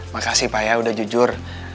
makasih pak ya udah jujur